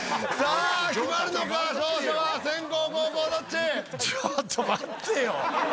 ちょっと待ってよ。